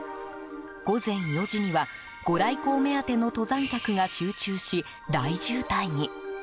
午前４時にはご来光目当ての登山客が集中し大渋滞に。